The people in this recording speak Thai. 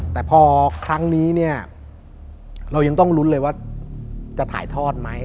แต่พอครั้งนี้เนี่ยเรายังต้องลุ้นเลยว่าจะถ่ายทอดไหม